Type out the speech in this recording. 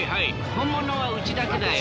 本物はうちだけだよ。